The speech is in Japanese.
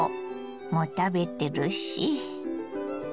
もう食べてるし。